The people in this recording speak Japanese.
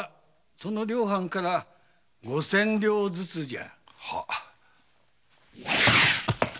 その両藩から五千両ずつじゃ。